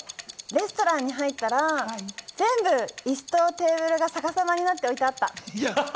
レストランに入ったら全部、椅子とテーブルが逆さまになって置いてあった。